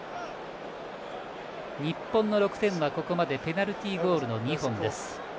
日本の６点はここまでペナルティーゴールの２本です。